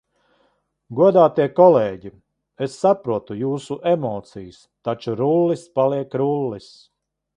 Godātie kolēģi, es saprotu jūsu emocijas, taču Rullis paliek Rullis.